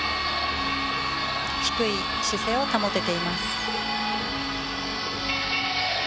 低い姿勢を保てています。